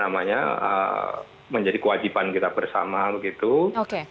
dan kemudian untuk itu politik menjadi sarana yang efektif untuk kita mampu menjaga lima hal tersebut